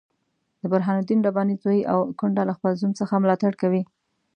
د برهان الدین رباني زوی او کونډه له خپل زوم څخه ملاتړ کوي.